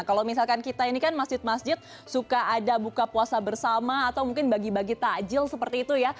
kalau misalkan kita ini kan masjid masjid suka ada buka puasa bersama atau mungkin bagi bagi takjil seperti itu ya